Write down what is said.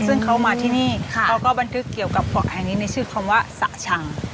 ซึ่งเขามาที่นี่เขาก็บันทึกเกี่ยวกับเกาะแห่งนี้ในชื่อคำว่าสะชัง